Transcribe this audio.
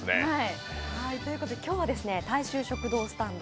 今日は大衆食堂スタンド